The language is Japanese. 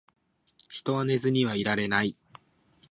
人は寝ずにはいられない